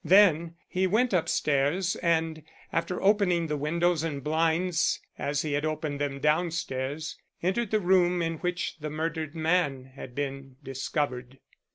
Then he went upstairs, and, after opening the windows and blinds as he had opened them downstairs, entered the room in which the murdered man had been discovered.